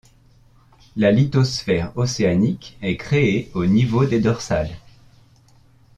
La lithosphère océanique est créée au niveau des dorsales.